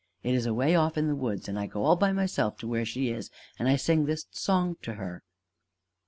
It is away off in the woods, and I go all by myself to where she is, and I sing this song to her."